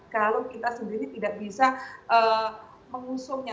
kalau kita sendiri tidak bisa mengusungnya